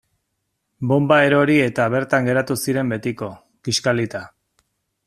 Bonba erori eta bertan geratu ziren betiko, kiskalita.